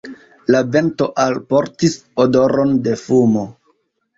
La vento alportis odoron de fumo.